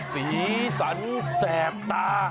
สีสันแสบตา